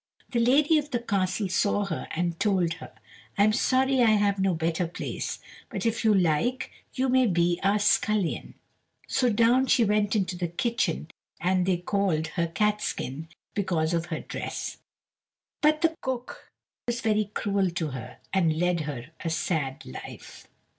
The lady of the castle saw her, and told her, "I'm sorry I have no better place, but if you like you may be our scullion." So down she went into the kitchen, and they called her Catskin, because of her dress. But the cook was very cruel to her and led her a sad life.